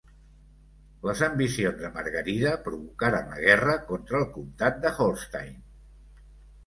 Les ambicions de Margarida provocaren la guerra contra el comtat de Holstein.